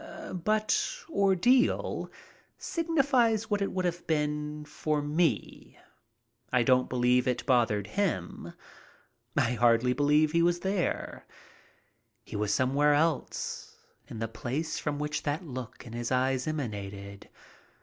But ordeal signifies what it would have been for me. I don't believe it bothered him. I hardly believe he was there. He was somewhere else in the place from which that look in his eyes emanated.